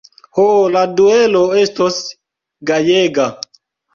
Ho, la duelo estos gajega!